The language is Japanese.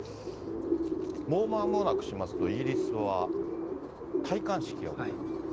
もうまもなくしますと、イギリスは戴冠式が行われます。